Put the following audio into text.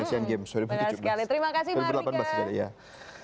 sea games dua ribu tujuh belas terima kasih mariko